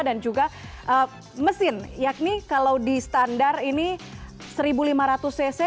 dan juga mesin yakni kalau di standar ini rp satu lima ratus cc